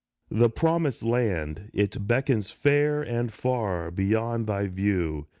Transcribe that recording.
The Promised Land it beckons fair and far, Beyond thy view.